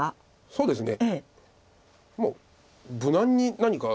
そうですね。